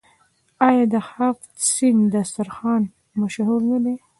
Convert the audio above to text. آیا د هفت سین دسترخان مشهور نه دی؟